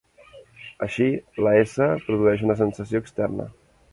Així, la s produeix una sensació "externa".